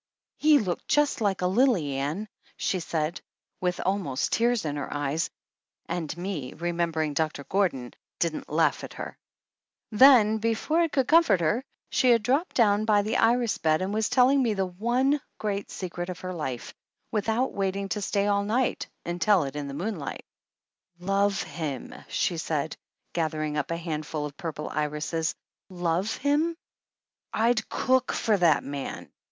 "He looked just like a lily, Ann," she said, with almost tears in her eyes, and me remember ing Doctor Gordon didn't laugh at her. Then, 168 THE ANNALS OF ANN before I could comfort her, she had dropped down by the iris bed and was telling me the one great secret of her life, without waiting to stay all night and tell it in the moonlight. "Love him," she said, gathering up a hand ful of the purple irises, "love him? I'd cook for that man."